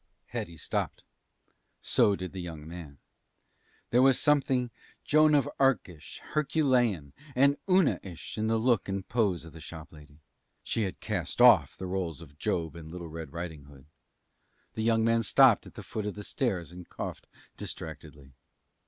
Hetty stopped. So did the young man. There was something Joan of Arc ish, Herculean, and Una ish in the look and pose of the shop lady she had cast off the rôles of Job and Little Red Riding Hood. The young man stopped at the foot of the stairs and coughed distractedly.